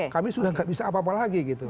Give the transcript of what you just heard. kami sudah tidak bisa apa apa lagi gitu